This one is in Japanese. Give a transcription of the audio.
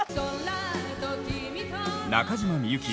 中島みゆき